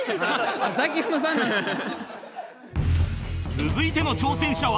続いての挑戦者は